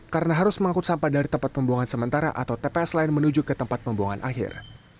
karena harus mengangkut sampah dari tempat pembuangan sementara atau tps lain menuju ke tempat pembuangan akhir